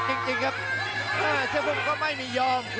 อ้าวเสื้อพ่งก็ไม่มียอม